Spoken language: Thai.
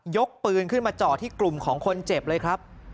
ปืนขึ้นมาเจาะที่กลุ่มของคนเจ็บเลยครับ